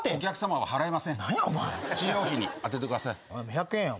１００円や。